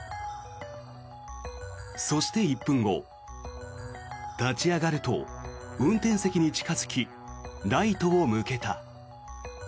そして、１分後立ち上がると運転席に近付きライトを向けた。